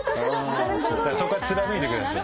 そこは貫いてください。